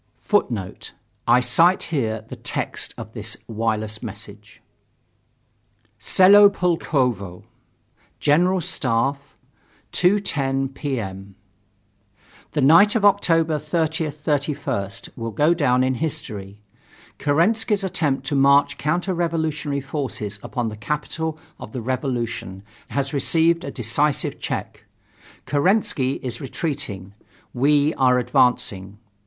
[Footnote: I cite here the text of this wireless message: "Selo Pulkovo. General Staff 2:10 P. M. The night of October 30th 31st will go down in history. Kerensky's attempt to march counter revolutionary forces upon the capital of the revolution has received a decisive check. Kerensky is retreating, we are advancing.